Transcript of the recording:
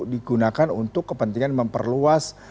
digunakan untuk kepentingan memperluas